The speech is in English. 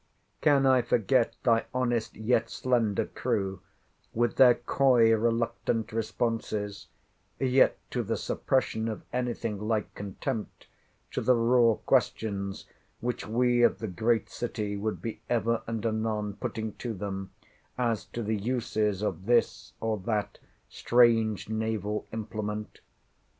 Can I forget thy honest, yet slender crew, with their coy reluctant responses (yet to the suppression of anything like contempt, to the raw questions, which we of the great city would be ever and anon putting to them, as to the uses of this or that strange naval implement?)